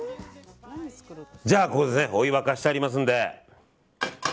ここでお湯沸かしてありますので。